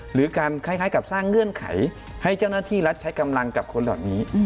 หรือการคล้ายกับสร้างเงื่อนไขให้เจ้าหน้าที่รัฐใช้กำลังกับคนเหล่านี้